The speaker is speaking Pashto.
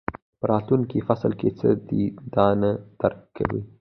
په راتلونکي فصل کې څه دي دا نه درک کوئ.